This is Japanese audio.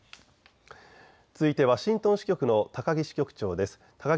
続いてワシントン支局の高木支局長です。